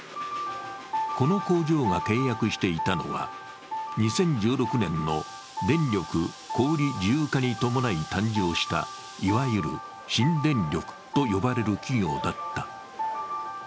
この工場が契約していたのは２０１６年の電力小売自由化に伴い誕生したいわゆる新電力と呼ばれる企業だった。